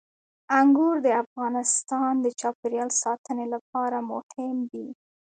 انګور د افغانستان د چاپیریال ساتنې لپاره مهم دي.